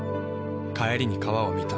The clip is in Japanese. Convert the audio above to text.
帰りに川を見た。